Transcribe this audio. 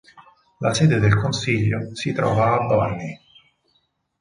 La sede del consiglio si trova a Burnie.